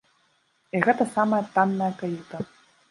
І гэта самая танная каюта!